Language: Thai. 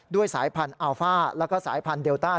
สายพันธุ์อัลฟ่าแล้วก็สายพันธุเดลต้า